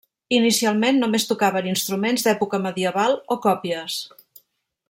Inicialment només tocaven instruments d'època medieval o còpies.